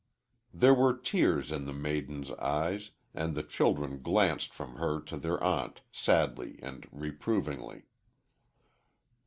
There were tears in the maiden's eyes, and the children glanced from her to their aunt, sadly and reprovingly.